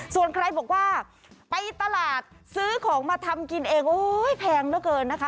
ส่วนใครบอกว่าไปตลาดซื้อของมาทำกินเองโอ้ยแพงเหลือเกินนะคะ